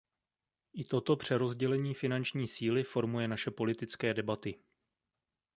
I toto přerozdělení finanční síly formuje naše politické debaty.